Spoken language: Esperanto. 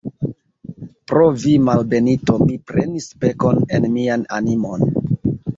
Pro vi, malbenito, mi prenis pekon en mian animon!